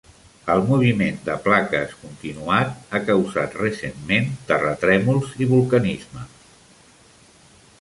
El moviment de plaques continuat ha causat recentment terratrèmols i vulcanisme.